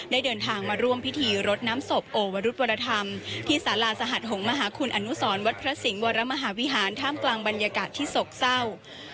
เดินทางมาร่วมพิธีรดน้ำศพโอวรุธวรธรรมที่สาราสหัสหงษ์มหาคุณอนุสรวัดพระสิงห์วรมหาวิหารท่ามกลางบรรยากาศที่โศกเศร้า